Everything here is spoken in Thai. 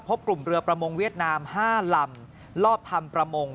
พบกลุ่มเรือประมงเวียดนาม๕ลำลอบทำประมง